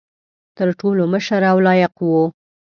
تر ټولو مشر او لایق وو.